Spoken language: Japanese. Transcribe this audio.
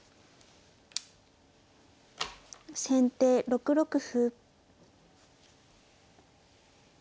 先手６六歩。